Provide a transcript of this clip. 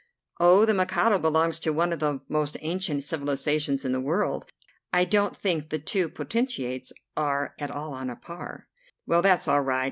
"Oh, the Mikado belongs to one of the most ancient civilizations in the world. I don't think the two potentates are at all on a par." "Well, that's all right.